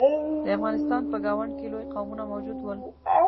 د افغانستان په ګاونډ کې لوی قومونه موجود ول.